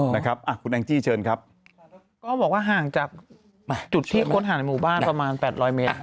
นะครับอ่ะคุณแองจี้เชิญครับก็บอกว่าห่างจากจุดที่ค้นหาในหมู่บ้านประมาณแปดร้อยเมตร